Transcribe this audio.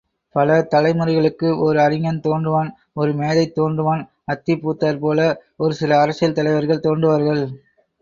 பல தலைமுறைகளுக்கு ஒர் அறிஞன் தோன்றுவான் ஒரு மேதை தோன்றுவான் அத்திபூத்தாற்போல ஒரு சில அரசியல் தலைவர்கள் தோன்றுவார்கள்.